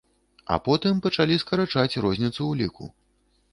А потым пачалі скарачаць розніцу ў ліку.